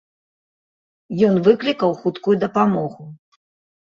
Ён выклікаў хуткую дапамогу.